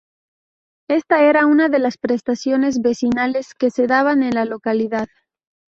Ésta era una de las prestaciones vecinales que se daban en la localidad.